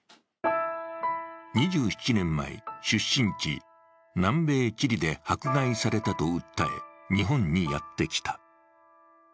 ２７年前、出身地・南米チリで迫害されたと訴え、日本にやってきた。